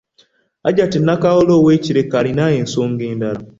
Hajat Nakalule ow’e Kireka alina ensonga endala.